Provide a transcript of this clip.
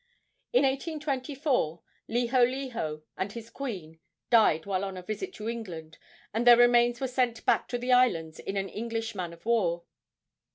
In 1824 Liholiho and his queen died while on a visit to England, and their remains were sent back to the islands in an English man of war.